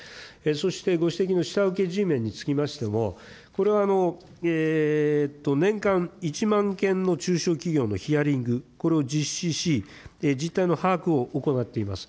そしてご指摘の下請けＧメンにつきましても、これは年間１万件の中小企業のヒアリング、これを実施し、実態の把握を行っています。